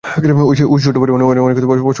ঐ স্যুটটা পরে অনেক অসহায় মানুষকে সাহায্য করো তুমি।